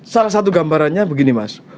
salah satu gambarannya begini mas